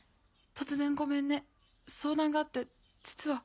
「突然ごめんね相談があって実は」。